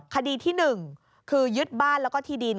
คดีที่๑คือยึดบ้านแล้วก็ที่ดิน